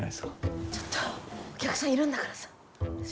ちょっとお客さんいるんだからさ。